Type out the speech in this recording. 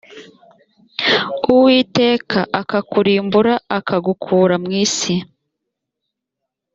uwiteka akakurimbura akagukura mu isi